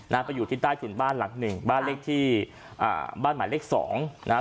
ไปอยู่ที่ใต้ถุนบ้านหลังหนึ่งบ้านเลขที่อ่าบ้านหมายเลขสองนะฮะ